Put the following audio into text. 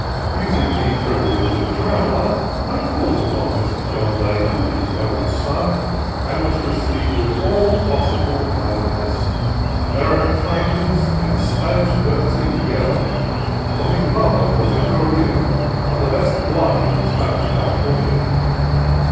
Using the privilege of a traveller, I called upon Mr. John Dana, the eldest son, and was received with all possible kindness ; American frankness and Spanish courtesy together, for his mother was a Carrillo, of the best blood of Spanish California.